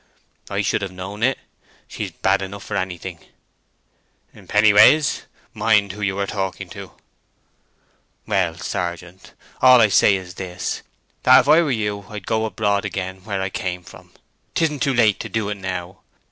"I should have known it. She's bad enough for anything." "Pennyways, mind who you are talking to." "Well, sergeant, all I say is this, that if I were you I'd go abroad again where I came from—'tisn't too late to do it now.